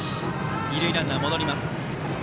二塁ランナー戻ります。